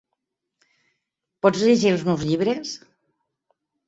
Pots llegir els meus llibres?